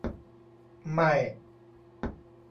ไม่